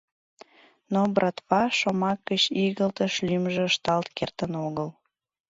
Но «братва»шомак гыч игылтыш лӱмжӧ ышталт кертын огыл.